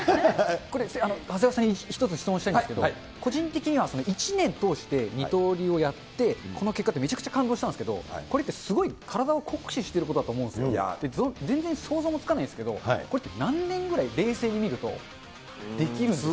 長谷川さんに１つ質問したいんですけど、個人的には一年通して二刀流をやって、この結果ってめちゃくちゃ感動したんですけど、これってすごい体を酷使してることだと思うんですけど、全然想像もつかないんですけど、これって何年ぐらい、冷静に見るとできるんですか。